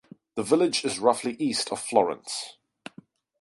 The village is roughly east of Florence.